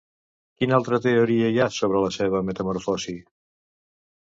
Quina altra teoria hi ha sobre la seva metamorfosis?